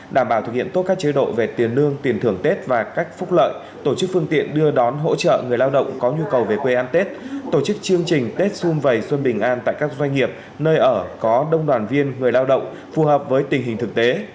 đảm bảo thực hiện tốt các chế độ về tiền lương tiền thưởng tết và cách phúc lợi tổ chức phương tiện đưa đón hỗ trợ người lao động có nhu cầu về quê ăn tết tổ chức chương trình tết xung vầy xuân bình an tại các doanh nghiệp nơi ở có đông đoàn viên người lao động phù hợp với tình hình thực tế